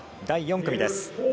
第４組です。